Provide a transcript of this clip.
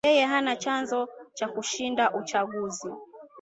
Yeye hana chanzo cha kushinda uchaguzi